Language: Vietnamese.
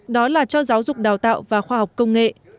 đó là cho giáo dục đào tạo và khoa học công nghệ